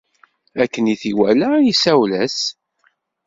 Akken t iwala isawel-as.